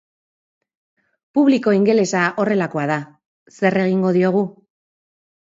Publiko ingelesa horrelakoa da, zer egingo diogu!